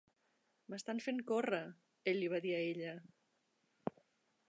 "M'estan fent córrer", ell li va dir a ella.